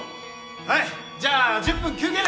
はいじゃあ１０分休憩で。